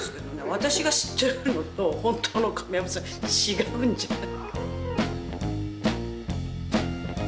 私が知ってるのと本当の亀山さん違うんじゃない？